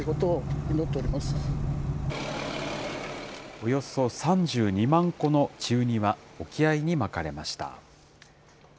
およそ３２万個の稚ウニは、沖合にまかれました。